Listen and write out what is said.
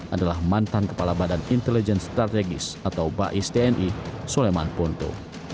adalah mantan kepala badan intelijen strategis atau bais tni soleman ponto